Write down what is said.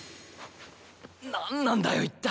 何なんだよ一体。